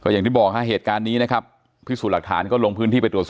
อย่างที่บอกฮะเหตุการณ์นี้นะครับพิสูจน์หลักฐานก็ลงพื้นที่ไปตรวจสอบ